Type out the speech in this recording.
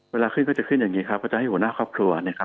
เวลาขึ้นก็จะขึ้นอย่างนี้ครับก็จะให้หัวหน้าครอบครัวเนี่ยครับ